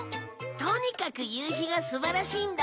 とにかく夕日が素晴らしいんだ。